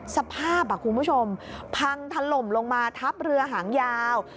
สภาพคุณผู้ชมพังถล่มลงมาทับเรือหางยาว